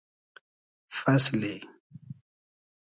فئسلی